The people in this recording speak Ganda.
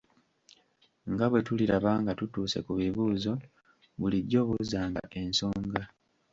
Nga bwe tuliraba nga tutuuse ku bibuuzo, bulijjo buuzanga ensonga.